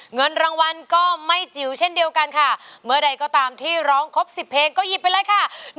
เงินรางวัลก็ไม่จิ๋วเช่นเดียวกันค่ะเมื่อใดก็ตามที่ร้องครบ๑๐เพลงก็หยิบไปเลยค่ะ